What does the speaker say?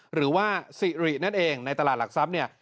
หรือว่าสิรินั่นเองในตลาดหลักทรัพย์เนี่ย